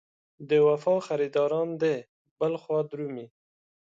د وفا خریداران دې بل خوا درومي.